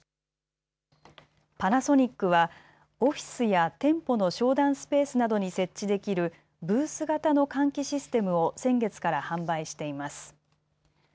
パナソニックはオフィスや店舗の商談スペースなどに設置できるブース型の換気システムを先月から販売しています。